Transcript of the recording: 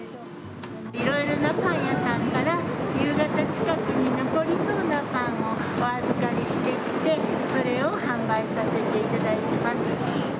いろいろなパン屋さんから夕方近くに残りそうなパンをお預かりしてきて、それを販売させていただいてます。